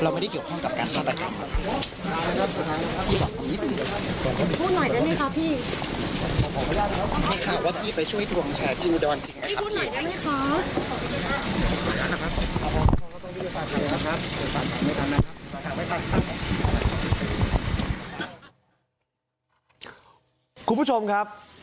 มิวทัลมิวทัลคุณผู้ชมครับ